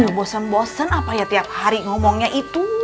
ngebosen bosen apa ya tiap hari ngomongnya itu